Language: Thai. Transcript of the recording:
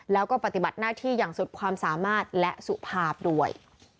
แล้วก็ปฏิบัติหน้าที่อย่างสุดความสามารถและสุภาพด้วย